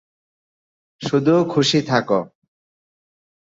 শুধু খুশি থাকো।